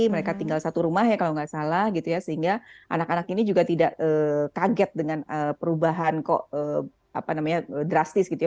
mereka tinggal satu rumah ya kalau nggak salah gitu ya sehingga anak anak ini juga tidak kaget dengan perubahan kok drastis gitu ya